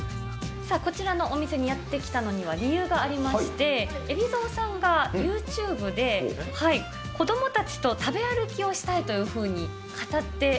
さあ、こちらのお店にやって来たのは理由がありまして、海老蔵さんがユーチューブで、子どもたちと食べ歩きをしたいというふうに語って。